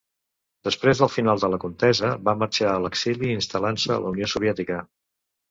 Després del final de la contesa va marxar a l'exili, instal·lant-se a la Unió Soviètica.